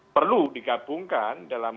perlu digabungkan dalam